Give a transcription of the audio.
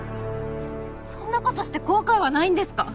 そんなことして後悔はないんですか？